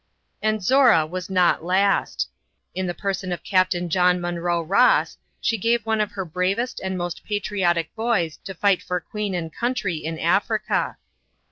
And Zorra was not last. In the person of Capt. John Munro Ross she gave one of her bravest and most patriotic boys to fight for Queen and country in Africa.